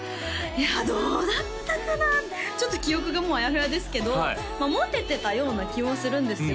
いやどうだったかなちょっと記憶がもうあやふやですけどモテてたような気もするんですけど